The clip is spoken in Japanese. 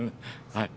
はい。